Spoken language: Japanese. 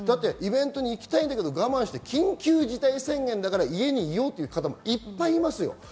イベントに行きたいけど我慢して、緊急事態宣言だから家にいる方もいっぱいいます。